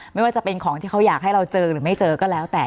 ไม่ว่าจะเป็นของที่เขาอยากให้เราเจอหรือไม่เจอก็แล้วแต่